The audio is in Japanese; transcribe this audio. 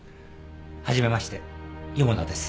初めまして四方田です。